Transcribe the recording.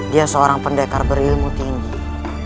dia seorang pendekar berilmu tinggi